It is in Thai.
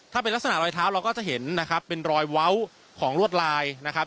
ถ้าเป็นลักษณะรอยเท้าเราก็จะเห็นนะครับเป็นรอยเว้าของลวดลายนะครับ